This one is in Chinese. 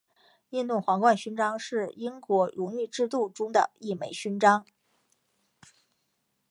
印度皇冠勋章是英国荣誉制度中的一枚勋章。